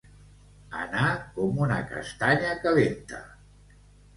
Anar com una castanya calenta.